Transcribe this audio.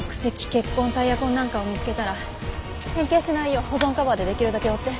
血痕タイヤ痕なんかを見つけたら変形しないよう保存カバーで出来るだけ覆って。